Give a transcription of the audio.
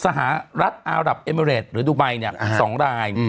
สหรัฐอารับเอเมอร์เรดหรือดูไบเครื่องทาง๒ราย